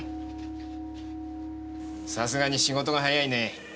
さすがに仕事が早いね。